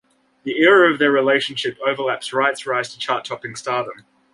The era of their relationship overlaps Wright's rise to chart-topping stardom.